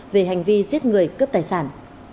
về hành vi giết người cướp tài sản